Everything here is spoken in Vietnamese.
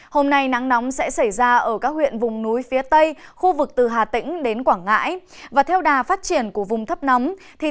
hôm nay nắng nóng sẽ xảy ra ở các huyện vùng núi phía tây khu vực từ hà tĩnh đến quảng ngãi